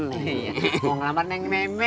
iya mau ngelamar neng memi